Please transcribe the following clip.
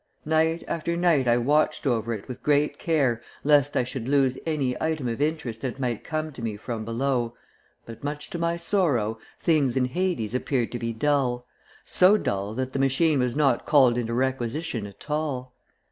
Night after night I watched over it with great care lest I should lose any item of interest that might come to me from below, but, much to my sorrow, things in Hades appeared to be dull so dull that the machine was not called into requisition at all.